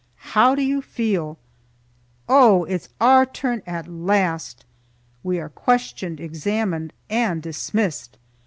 How do you feel? Oh, it's our turn at last! We are questioned, examined, and dismissed!